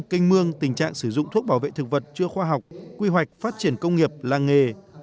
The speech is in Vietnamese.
canh mương tình trạng sử dụng thuốc bảo vệ thực vật chưa khoa học quy hoạch phát triển công nghiệp làng nghề